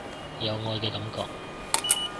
有愛嘅感覺